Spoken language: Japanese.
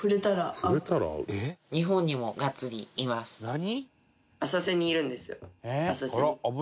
「何？」